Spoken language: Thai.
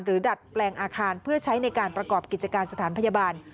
ดัดแปลงอาคารเพื่อใช้ในการประกอบกิจการสถานพยาบาล